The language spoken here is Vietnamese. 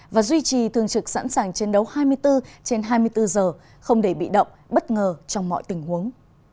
và duy trì thường trực sẵn sàng chiến đấu hai mươi bốn trên hai mươi bốn giờ không để bị động bất ngờ trong mọi tình huống